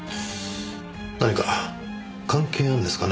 何か関係あるんですかね？